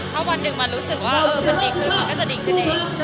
ถ้าวันหนึ่งมันรู้สึกว่ามันดีขึ้นมันก็จะดีขึ้นเอง